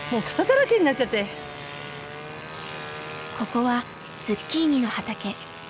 ここはズッキーニの畑。